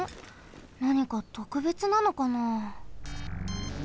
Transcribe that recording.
なにかとくべつなのかな？